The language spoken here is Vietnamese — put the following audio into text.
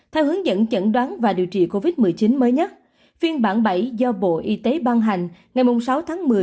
theo hướng dẫn chẩn đoán và điều trị covid một mươi chín mới nhất phiên bản bảy do bộ y tế ban hành ngày sáu tháng một mươi